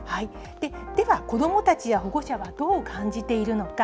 では、子どもたちや保護者はどう感じているのか。